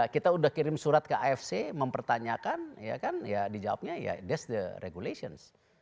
kita sudah kirim surat ke afc mempertanyakan dijawabnya ya that s the regulations